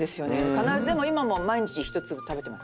必ず今も毎日１粒食べてます。